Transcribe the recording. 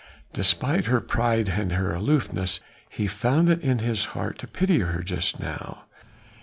Despite her pride and her aloofness he found it in his heart to pity her just now.